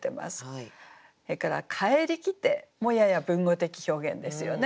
それから「帰りきて」もやや文語的表現ですよね。